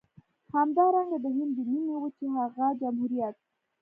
همدارنګه د هند د نيمې وچې هغه جمهوريت.